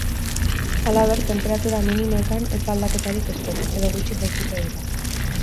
Halaber, tenperatura minimoetan ez da aldaketarik espero, edo gutxi jaitsiko dira.